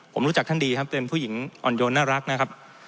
ผมรู้จักท่านดีครับเป็นผู้หญิงอ่อนโยนน่ารักนะครับ